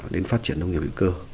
đến phát triển nông nghiệp hữu cơ